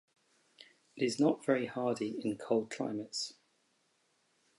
It is not very hardy in cold climates.